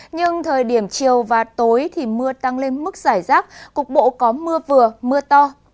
nhưng thời điểm chiều và tối thì mưa tăng lên mức giải rác cục bộ có mưa vừa mưa to